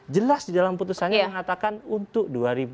jelas di dalam putusannya yang dikatakan untuk dua ribu sembilan belas